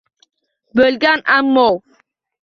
Bo’lgan ammo